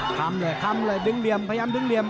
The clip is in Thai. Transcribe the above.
คำเลยคำเลยดึงเหลี่ยมพยายามดึงเหลี่ยม